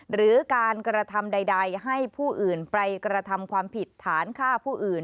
หรือการกระทำใดให้ผู้อื่นไปกระทำความผิดฐานฆ่าผู้อื่น